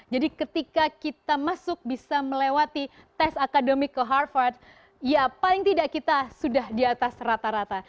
jadi ketika kita masuk bisa melewati tes akademik ke harvard ya paling tidak kita sudah di atas rata rata